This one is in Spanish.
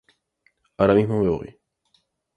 Ahora mismo me voy".